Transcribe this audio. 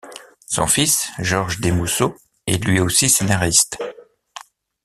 Son fils, Georges Desmouceaux, est lui aussi scénariste.